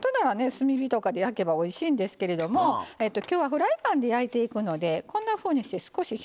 炭火とかで焼けばおいしいんですけれどもきょうはフライパンで焼いていくのでこんなふうにして少し表面に小麦粉をうっすらとつけて。